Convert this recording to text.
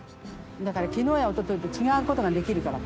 だから昨日やおとといと違うことができるから。